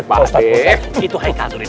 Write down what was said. itu haikal tuh di depan tuh